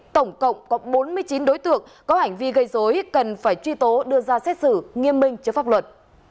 tổng cộng có bốn mươi chín đối tượng có hành vi gây dối cần phải truy tố đưa ra xét xử nghiêm minh trước pháp luật